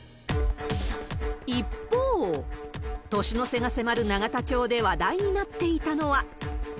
一方、年の瀬が迫る永田町で話題になっていたのは。